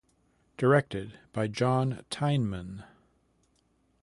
Directed by John Tyneman.